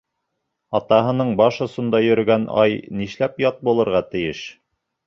Атаһының баш осонда йөрөгән ай нишләп ят булырға тейеш?